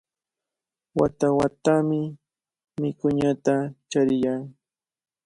Wata-watami wikuñata chariyan.